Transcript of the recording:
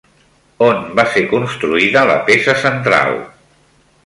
On va ser construïda la peça central?